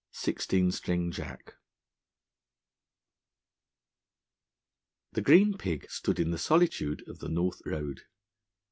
II SIXTEEN STRING JACK THE 'Green Pig' stood in the solitude of the North Road.